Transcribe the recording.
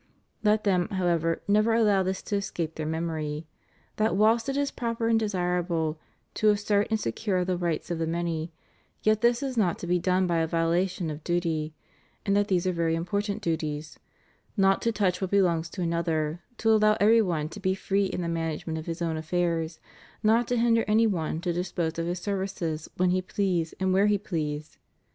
Let them, however, never allow this to escape their memory: that whilst it is proper and desirable to assert and secure the rights of the many, yet this is not to be done by a violation of duty; and that these are very important duties; not to touch what belongs to another; to allow every one to be free in the management of his own affairs; not to hinder any one to dispose of his services when he please and where he please.